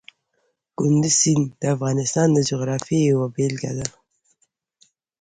کندز سیند د افغانستان د جغرافیې یوه بېلګه ده.